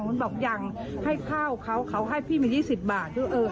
มันบอกยังให้ข้าวเขาเขาให้พี่มียี่สิบบาทที่ว่าเออ